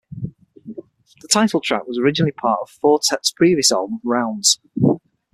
The title track was originally part of Four Tet's previous album, "Rounds".